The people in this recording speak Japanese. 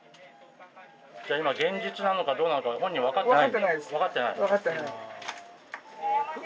じゃあ今現実なのかどうなのか本人分かってない？